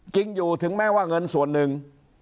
จริงอยู่ถึงแม้ว่าเงินส่วนหนึ่ง